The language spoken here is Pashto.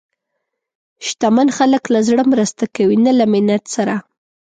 شتمن خلک له زړه مرسته کوي، نه له منت سره.